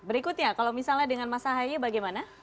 berikutnya kalau misalnya dengan mas ahaye bagaimana